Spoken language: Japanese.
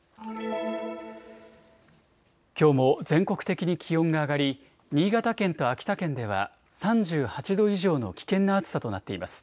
きょうも全国的に気温が上がり新潟県と秋田県では３８度以上の危険な暑さとなっています。